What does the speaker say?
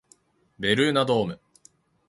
ベルーナドーム